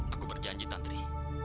aku berjanji tantri